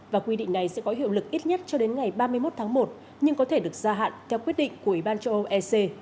và quy định này sẽ có hiệu lực ít nhất cho đến ngày ba mươi một tháng một nhưng có thể được gia hạn theo quyết định của ủy ban châu âu ec